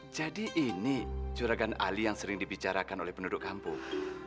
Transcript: ini curagan ali yang sering dibicarakan oleh penduduk kampung